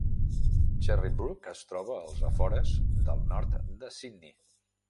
Cherrybrook es troba als afores del nord de Sydney.